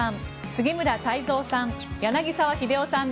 杉村太蔵さん